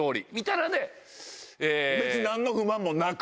別に何の不満もなく。